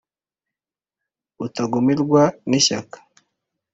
rutagumirwa n' ishyaka